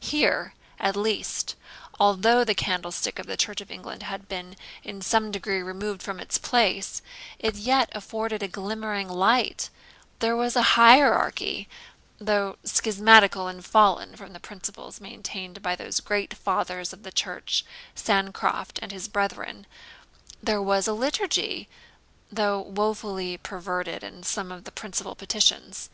Here, at least, although the candlestick of the Church of England had been in some degree removed from its place, it yet afforded a glimmering light; there was a hierarchy, though schismatical, and fallen from the principles maintained by those great fathers of the church, Sancroft and his brethren; there was a liturgy, though woefully perverted in some of the principal petitions.